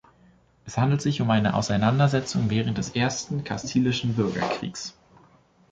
Es handelt sich um eine Auseinandersetzung während des Ersten kastilischen Bürgerkriegs.